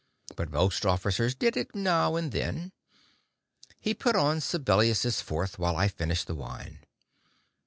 But most officers did it now and then. He put on Sibelius' Fourth while I finished the wine.